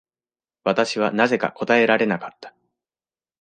私はなぜか答えられなかった。